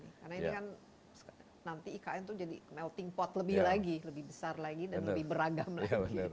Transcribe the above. karena ini kan nanti ikn tuh jadi melting pot lebih lagi lebih besar lagi dan lebih beragam lagi